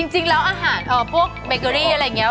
จริงแล้วอาหารพวกเบเกอรี่อะไรอย่างนี้